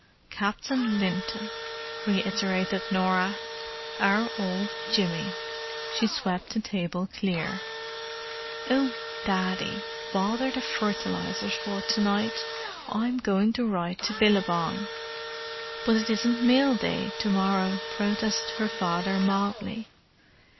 "Captain Linton!" reiterated Norah. "Our old Jimmy!" She swept the table clear. "Oh, Daddy, bother the fertilizers for to night—I'm going to write to Billabong!" "But it isn't mail day to morrow," protested her father mildly.